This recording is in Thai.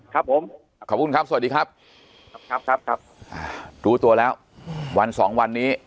ครับผมขอบคุณครับสวัสดีครับครับรู้ตัวแล้ววันสองวันนี้